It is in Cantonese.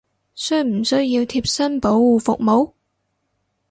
需唔需要貼身保護服務！？